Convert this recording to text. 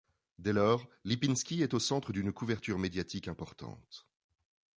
Dès lors, Lipinski est au centre d'une couverture médiatique importante.